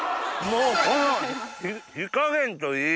この火加減といい。